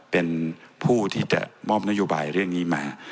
เป็นผู้ที่จะมอบนโยบายเรื่องนี้มา